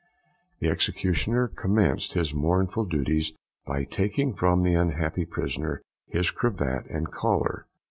The executioner commenced his mournful duties by taking from the unhappy prisoner his cravat and collar.